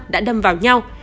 đã đâm vào nhau